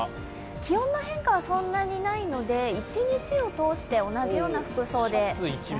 気温の変化はそんなにないので、一日を通して同じような服装で。